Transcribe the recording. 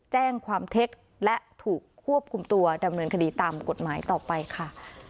แจ้งความเท็จและถูกควบคุมตัวดำเนินคดีตามกฎหมายต่อไปค่ะ